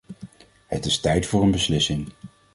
Het is tijd voor een beslissing.